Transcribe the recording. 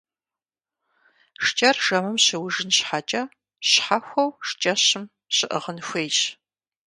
ШкӀэр жэмым щыужын щхьэкӀэ щхьэхуэу шкӀэщым щыӀыгъын хуейщ.